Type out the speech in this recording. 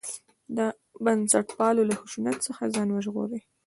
د بنسټپالو له خشونت څخه ځان وژغوري.